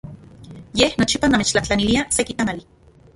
Ye nochipa namechtlajtlanilia seki tamali.